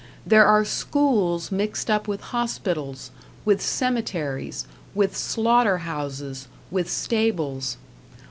There are schools mixed up with hospitals, with cemeteries, with slaughter houses, with stables.